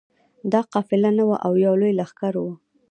دا قافله نه وه او یو لوی لښکر وو.